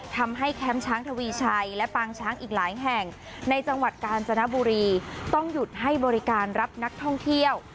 แคมป์ช้างทวีชัยและปางช้างอีกหลายแห่งในจังหวัดกาญจนบุรีต้องหยุดให้บริการรับนักท่องเที่ยว